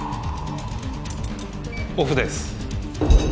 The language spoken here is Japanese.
オフです